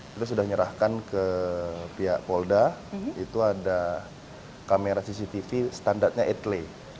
kita sudah menyerahkan ke pihak polda itu ada kamera cctv standartnya delapan lei